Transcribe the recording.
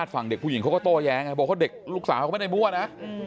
ฝั่งเด็กผู้หญิงเขาก็โต้แย้งบอกว่าเด็กลูกสาวเขาก็ไม่ได้มั่วนะ